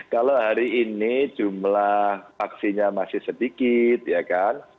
kalau hari ini jumlah vaksinnya masih sedikit ya kan